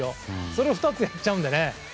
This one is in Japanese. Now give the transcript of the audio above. それを２つやっちゃうんでね。